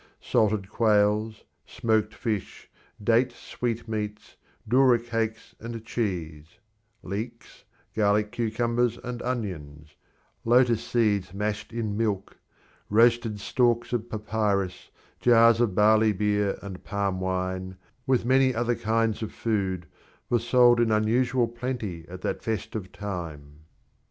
Salted quails, smoked fish, date sweetmeats, doura cakes, and cheese; leeks, garlic cucumbers, and onions; lotus seeds mashed in milk, roasted stalks of papyrus, jars of barley beer and palm wine, with many other kinds of food, were sold in unusual plenty at that festive time.